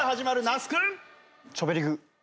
那須君。